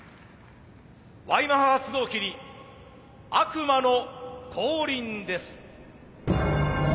Ｙマハ発動機に悪魔の降臨です。